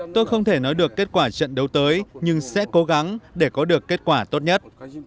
tôi không thể nói được kết quả trận đấu tới nhưng sẽ cố gắng để có được kết quả tốt nhất